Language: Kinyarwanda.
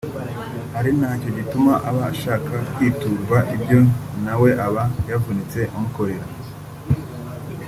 ari nacyo gituma aba ashaka kwiturwa ibyo nawe aba yavunitse amukorera